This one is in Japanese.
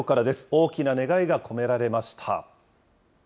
大きな願いが込められました。